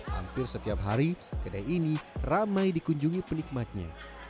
hampir setiap hari kedai ini ramai dikunjungi penikmatnya